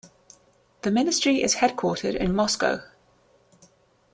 The Ministry is headquartered in Moscow.